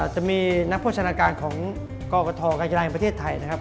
จะมีนักโภชนาการของกศกยรินย์ประเทศไทยนะครับ